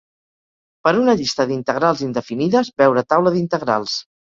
Per una llista d'integrals indefinides, veure taula d'integrals.